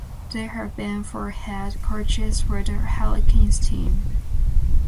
There have been four head coaches for the Hurricanes team.